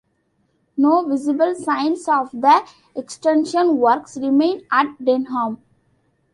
No visible signs of the extension works remain at Denham.